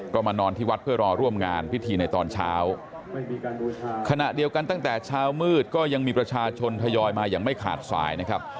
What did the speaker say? ก็มานอนที่วัดเพื่อรอร่วมงานพิธีในตอนเช้าขณะเดียวกันตั้งแต่เช้ามืดก็ยังมีประชาชนทยอยมาอย่างไม่ขาดสายนะครับ